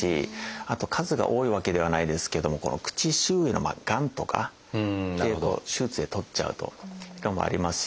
あとは数が多いわけではないですけども「口周囲のがん」とかっていうのを手術で取っちゃうとっていうのもありますし。